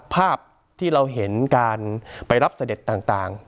ภาพที่เราเห็นการไปรับเสด็จต่าง